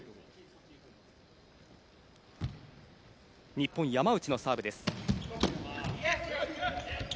日本、山内のサーブです。